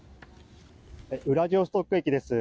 ウラジオストク駅です。